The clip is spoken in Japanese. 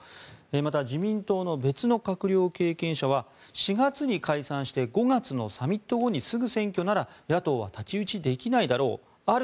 また、自民党の別の閣僚経験者は４月に解散して５月のサミット後にすぐ選挙なら、野党は太刀打ちできないだろうある